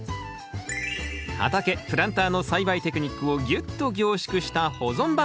畑プランターの栽培テクニックをぎゅっと凝縮した保存版。